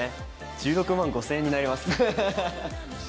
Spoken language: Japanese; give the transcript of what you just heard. １６万５０００円になりますハハハ。